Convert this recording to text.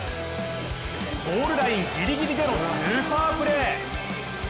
ゴールラインギリギリでのスーパープレー。